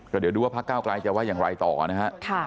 เดี๋ยวดูว่าพระเก้ากลายจะว่ายังไงต่อก่อนนะครับ